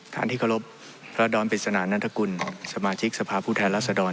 ท่านที่เคารพราดรปริศนานนัตรกุลสมาชิกสภาพผู้แทนลักษณ์